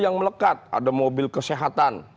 yang melekat ada mobil kesehatan